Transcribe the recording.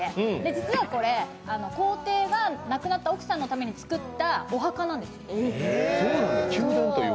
実はこれ、皇帝が亡くなった奥さんのためにつくったお墓なんです。